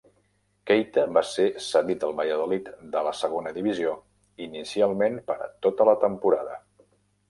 Keita va ser cedit al Valladolid de la segons divisió, inicialment per a tota la temporada.